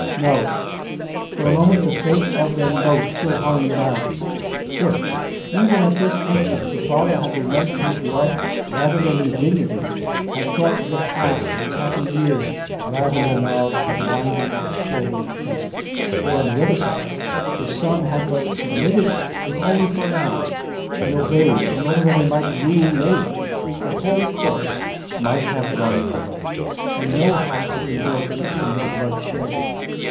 ''"" No." For a moment the fate of them both still hung in the balance. If, even at this instant, the father had remem bered his love rather than his dignity, had thought of the past and its happy years, rather than of the blinding, swollen present; or, on the other side, if the son had but submitted if only for an hour, and obeyed in order that he might rule later — the whole course might have run aright, and no hearts have been broken and no blood shed.